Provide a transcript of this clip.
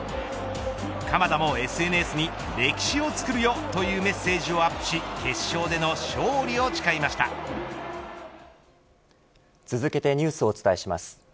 鎌田もＳＮＳに歴史を作るよというメッセージをアップし続けてニュースをお伝えします。